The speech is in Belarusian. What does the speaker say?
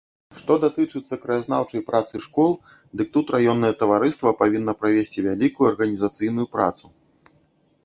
Што датычыцца краязнаўчай працы школ, дык тут раённае таварыства павінна правесці вялікую арганізацыйную працу.